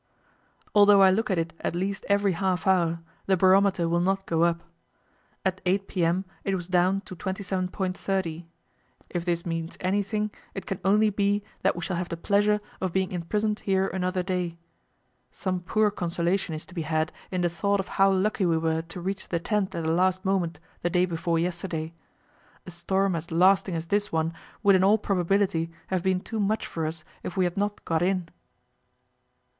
Although I look at it at least every half hour, the barometer will not go up. At 8 p.m. it was down to 27.30. If this means anything, it can only be that we shall have the pleasure of being imprisoned here another day. Some poor consolation is to be had in the thought of how lucky we were to reach the tent at the last moment the day before yesterday. A storm as lasting as this one would in all probability have been too much for us if we had not got in.